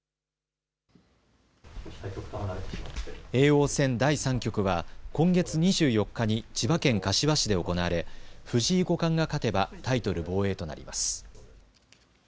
叡王戦第３局は今月２４日に千葉県柏市で行われ藤井五冠が勝てばタイトル防衛となります。